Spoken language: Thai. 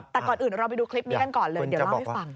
แต่ก่อนอื่นเราไปดูคลิปนี้กันก่อนเลยเดี๋ยวเล่าให้ฟัง